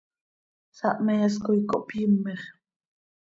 Sahmees coi cohpyimix.